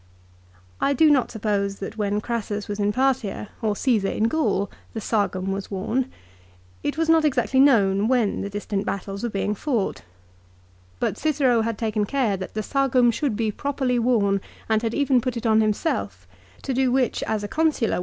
I do not suppose that when Crassus was in Parthia, or Csesar in Gaul, the " sagum " was worn. It was not exactly known when the distant battles were being fought. But Cicero had taken care that the sagum should be properly worn, and had even put it on himself, to do which as a Consular was not 1 Suetonius, Augustus, xi. 2 Tacitus, Ann.